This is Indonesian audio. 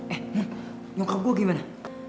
eh mumun nyokap gua gimana